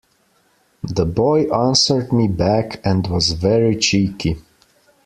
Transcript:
The boy answered me back, and was very cheeky